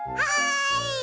はい！